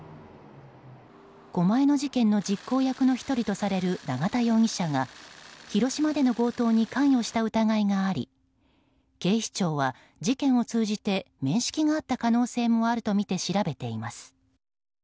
狛江の事件の実行役の１人とされる永田容疑者が広島での強盗に関与した疑いがあり警視庁は、事件を通じて面識があった可能性もあるとみて調べています。